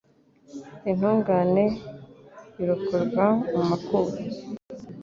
Intungane irokorwa mu makuba